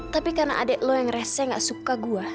tapi karena adek lo yang rese nggak suka gue